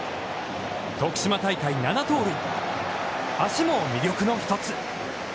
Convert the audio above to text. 徳島大会７盗塁、足も魅力の一つ。